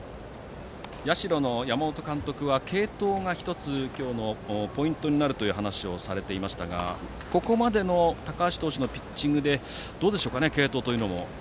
社の山本監督は継投が１つ今日のポイントになるという話をされていましたがここまでの高橋投手のピッチングで継投というのはどうでしょうか。